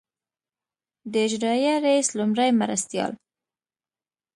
د اجرائیه رییس لومړي مرستیال.